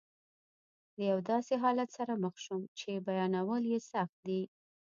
له یو داسې حالت سره مخ شوم چې بیانول یې سخت دي.